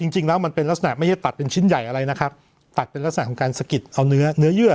จริงแล้วมันเป็นลักษณะไม่ใช่ตัดเป็นชิ้นใหญ่อะไรนะครับตัดเป็นลักษณะของการสะกิดเอาเนื้อเนื้อเยื่อ